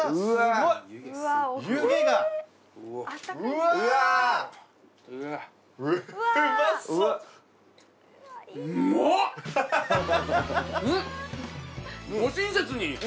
ご親切に。